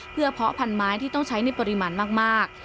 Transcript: เพื่อเพาะพันไม้ที่ต้องใช้ในปริมาณมาก